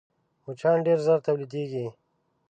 مچان ډېر ژر تولیدېږي